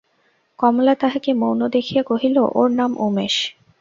কমলা তাহাকে মৌন দেখিয়া কহিল, ওর নাম উমেশ।